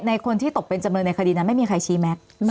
คนที่ตกเป็นจำเลยในคดีนั้นไม่มีใครชี้แม็กซ์